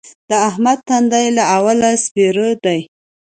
د احمد تندی له اوله سپېره دی.